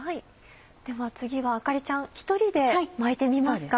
では次はあかりちゃん１人で巻いてみますか。